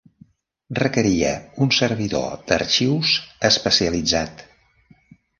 Requeria un servidor d'arxius especialitzat.